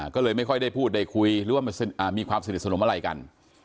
ก็เลยไม่ค่อยได้พูดได้คุยหรือว่ามีความสนิทสนมอะไรกัน